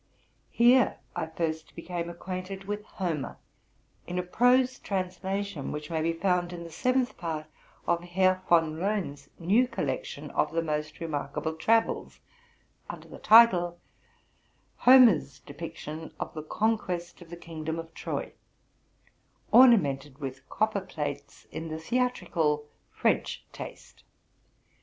Here I first became acquainted with Homer, in a prose translation, which may be found in the seventh part of Herr Von Loen's new collection of the most remarkable travels, under the title, '' Homer's Description of the Conquest of the Kingdom of Troy, * ornamented with copperplates in the theatrical French taste.